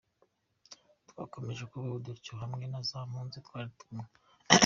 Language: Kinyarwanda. Twakomeje kubaho gutyo hamwe na za mpunzi twari kumwe.